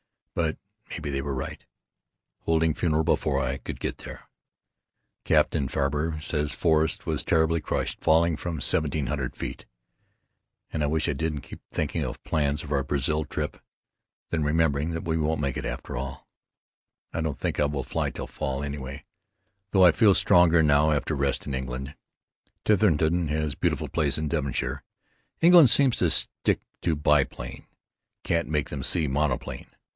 But maybe they were right, holding funeral before I could get there. Captain Faber says Forrest was terribly crushed, falling from 1700 ft. I wish I didn't keep on thinking of plans for our Brazil trip, then remembering we won't make it after all. I don't think I will fly till fall, anyway, though I feel stronger now after rest in England, Titherington has beautiful place in Devonshire. England seems to stick to biplane, can't make them see monoplane.